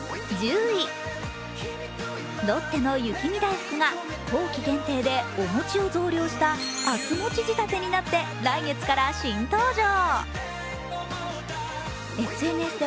ロッテの雪見だいふくが冬季限定でお餅を増量した厚もち仕立てになって来月から新登場。